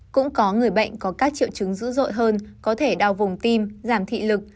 cũng có người bệnh có các triệu chứng dữ dội hơn có thể đau vùng tim giảm thị lực